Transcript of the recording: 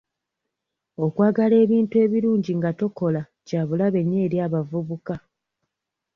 Okwagala ebintu ebirungi nga tokola kyabulabe nnyo eri abavubuka.